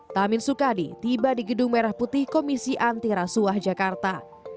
tamin sukadi tiba di gedung merah putih komisi antirasuah jakarta